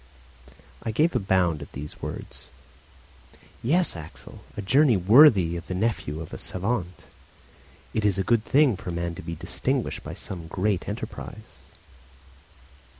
I gave a bound at these words. "Yes, Axel, a journey worthy of the nephew of a savant; it is a good thing for a man to be distinguished by some great enterprise."